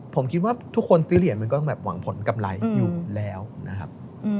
ผมคิดว่าทุกคนซื้อเหรียญมันก็ต้องแบบหวังผลกำไรอยู่แล้วนะครับ